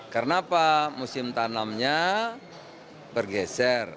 karena apa musim tanamnya bergeser